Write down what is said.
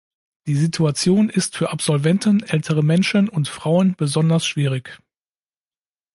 Die Situation ist für Absolventen, ältere Menschen und Frauen besonders schwierig.